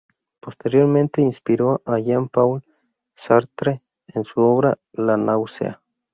Posteriormente inspiró a Jean-Paul Sartre en su obra "La náusea".